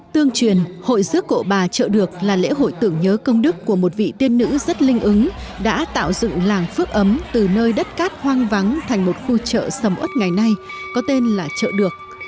tương truyền hội rước cộ bà chợ được là lễ hội tưởng nhớ công đức của một vị tiên nữ rất linh ứng đã tạo dựng làng phước ấm từ nơi đất cát hoang vắng thành một khu chợ sầm ớt ngày nay có tên là chợ được